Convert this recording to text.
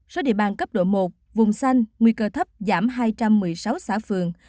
số địa bàn cấp độ một vùng xanh nguy cơ thấp giảm hai trăm một mươi sáu xã phường